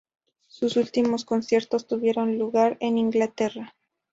Sus últimos conciertos tuvieron lugar en Inglaterra.